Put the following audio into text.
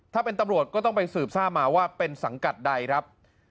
ถ้าเป็นตำรวจก็ต้องไปสืบทราบมาว่าเป็นสังกัดใดครับ